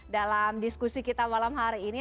dalam diskusi kita malam hari ini